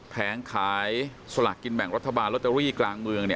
แผงขายสลากกินแบ่งรัฐบาลลอตเตอรี่กลางเมือง